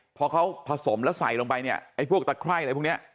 พอเขาผสมแล้วใส่ลงไปเนี่ยไอ้พวกตะไคร่อะไรพวกนี้